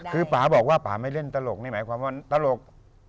คือป่าบอกว่าป่าไม่เล่นตลกนี่หมายความว่าตลก